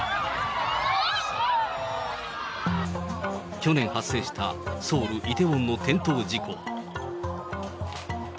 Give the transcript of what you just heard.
去年発生したソウル・イテウォンの転倒事故。